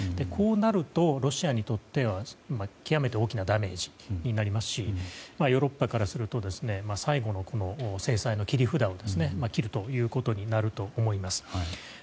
こうなると、ロシアにとっては極めて大きなダメージになりますしヨーロッパからすると最後の制裁の切り札を切るということになると思います。